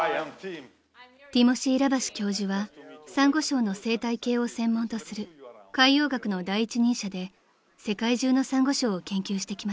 ［ティモシー・ラバシ教授はサンゴ礁の生態系を専門とする海洋学の第一人者で世界中のサンゴ礁を研究してきました］